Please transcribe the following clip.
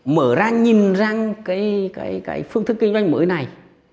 mở ra nhìn ra cái phương thức kinh doanh mới này